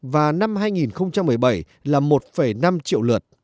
và năm hai nghìn một mươi bảy là một năm triệu lượt